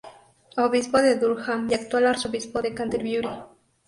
Obispo de Durham y actual arzobispo de Canterbury.